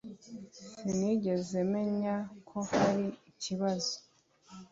Sinigeze menya ko hari ikibazo.